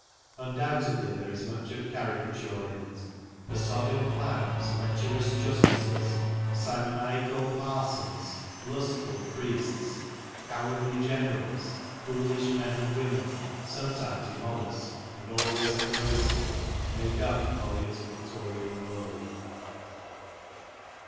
Undoubtedly there is much of caricature in it, for sodden clowns, lecherous justices, simon iacal parsons, lustful priests, cowardly generals, foolish men, and women sometimes immodest, and always ungraceful, make up Collier's pictorial world.